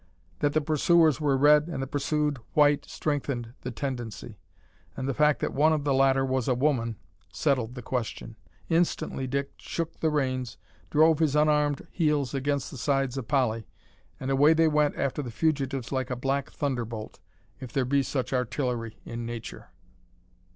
That the pursuers were red, and the pursued white, strengthened the tendency, and the fact that one of the latter was a woman settled the question. Instantly Dick shook the reins, drove his unarmed heels against the sides of Polly, and away they went after the fugitives like a black thunderbolt, if there be such artillery in nature!